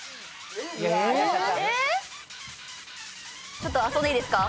ちょっと遊んでいいですか？